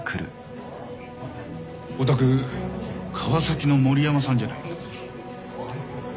お宅川崎の森山さんじゃないか？